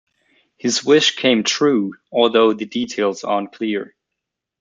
His wish came true, although the details are unclear.